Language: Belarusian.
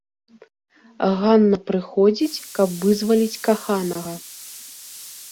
Ганна прыходзіць, каб вызваліць каханага.